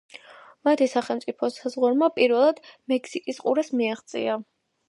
მათი სახელმწიფოს საზღვარმა პირველად მექსიკის ყურეს მიაღწია.